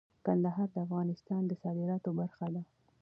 کندهار د افغانستان د صادراتو برخه ده.